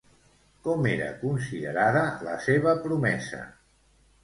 Com era considerada la seva promesa?